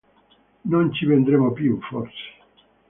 Non ci vedremo più, forse.